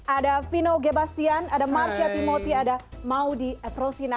ada vino gebastian ada marsha timoti ada maudie efrosina